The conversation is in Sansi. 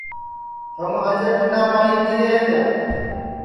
تھم کیا آنجے ٹھنڈا پاٹؔی پیرے ہے کیا